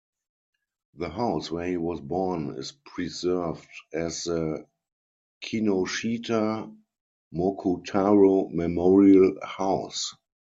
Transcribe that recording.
The house where he was born is preserved as the Kinoshita Mokutaro Memorial House.